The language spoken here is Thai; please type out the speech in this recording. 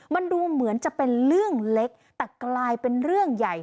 มันดูเหมือนจะเป็นเรื่องเล็กแต่กลายเป็นเรื่องใหญ่